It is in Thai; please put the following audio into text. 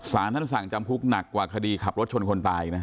สารท่านสั่งจำคุกหนักกว่าคดีขับรถชนคนตายนะ